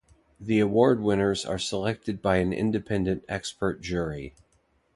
The award winners are selected by an independent expert jury.